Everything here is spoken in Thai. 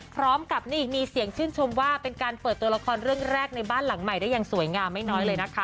พร้อมกับนี่มีเสียงชื่นชมว่าเป็นการเปิดตัวละครเรื่องแรกในบ้านหลังใหม่ได้อย่างสวยงามไม่น้อยเลยนะคะ